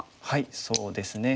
そうですね